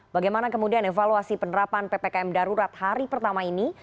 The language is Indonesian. bagaimana kemudian evaluasi penerapan ppkm darurat hari pertama ini